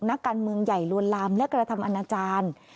นักการเมืองใหญ่ลวนลามและกระทำอนาจารย์